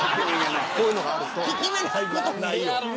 効き目ないことないよ。